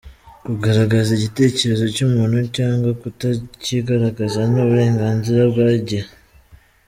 Kugaragaza igitekerezo cyumuntu cyangwa kutakigaragaza ni uburenganzira bwa igihe.